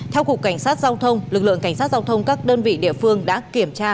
theo cục cảnh sát giao thông lực lượng cảnh sát giao thông các đơn vị địa phương đã kiểm tra